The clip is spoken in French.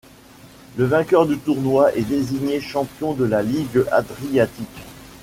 Le vainqueur du tournoi est désigné champion de la ligue adriatique.